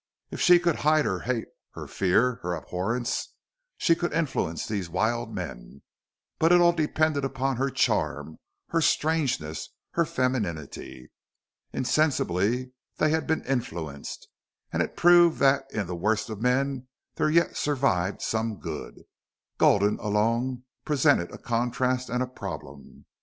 If she could hide her hate, her fear, her abhorrence, she could influence these wild men. But it all depended upon her charm, her strangeness, her femininity. Insensibly they had been influenced, and it proved that in the worst of men there yet survived some good. Gulden alone presented a contrast and a problem.